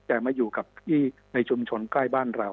แจกมาอยู่ในชุมชนใกล้บ้านเรา